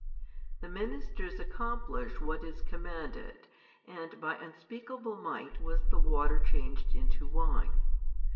The ministers accomplish what is commanded, and by unspeakable might was the water changed into wine.